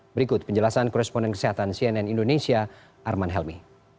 berikut penjelasan koresponden kesehatan cnn indonesia arman helmi